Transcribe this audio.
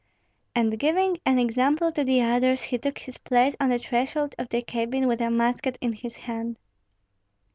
And giving an example to the others, he took his place on the threshold of the cabin with a musket in his hand.